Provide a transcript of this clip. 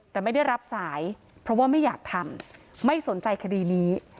แต่ไม่ได้รับสายเพราะว่าไม่อยากทำไม่สนใจคดีนี้